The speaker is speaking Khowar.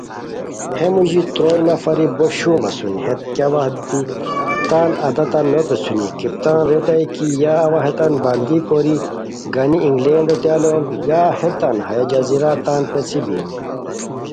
ہے موژاری تروئے نفری بو شوم اسونی ہیت کیہ وت دی تان عاداتان نو پیڅھونی کپتان ریتائے کی یا اوا ہیتان بندی کوری گانی انگلینڈوتین الوم یا ہیتان ہیہ جزیرا تان پیڅھی بیم